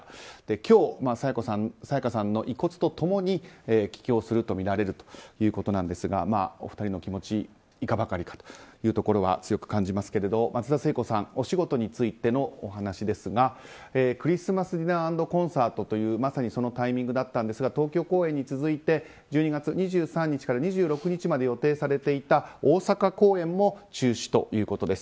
今日、沙也加さんの遺骨と共に帰京するとみられるということなんですがお二人の気持ちいかばかりかというところは強く感じますが、松田聖子さんお仕事についてのお話ですが「クリスマスディナー＆コンサート」という、まさにそのタイミングだったんですが東京公演に続いて１２月２３日から２６日まで予定されていた大阪公演も中止ということです。